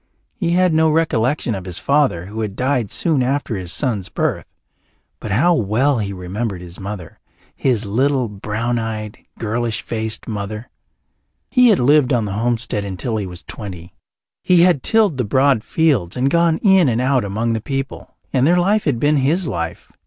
He had no recollection of his father, who had died soon after his son's birth, but how well he remembered his mother, his little, brown eyed, girlish faced mother! He had lived on the homestead until he was twenty. He had tilled the broad fields and gone in and out among the people, and their life had been his life.